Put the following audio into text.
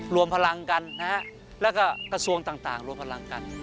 รวมพลังกันนะฮะแล้วก็กระทรวงต่างรวมพลังกัน